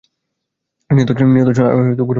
নিহত সৈন্য আর ঘোড়া সেখানেই পড়ে থাকে।